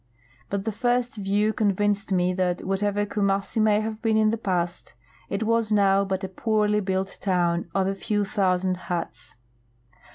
But the first view convinced me that, whatever Kumassi may have been in the past, it was now but a poorly built town of a few thousand huts.